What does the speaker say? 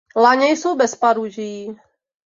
Laně jsou bez paroží.